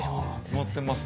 持ってます。